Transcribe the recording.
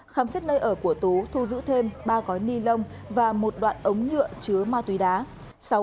khám xét nơi ở của tú thu giữ thêm ba gói ni lông và một đoạn ống nhựa chứa ma túy đá